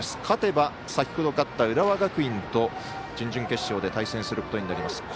勝てば先ほど勝った浦和学院と準々決勝で対戦することになります。